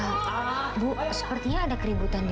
saya cuma mau ketemu sama putri ini